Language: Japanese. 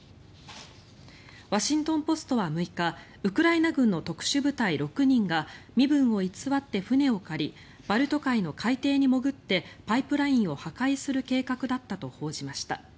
ワシントン・ポストは６日ウクライナ軍の特殊部隊６人が身分を偽って船を借りバルト海の海底に潜ってパイプラインを破壊する計画だったと報じました。